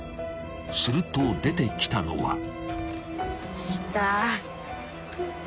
［すると出てきたのは］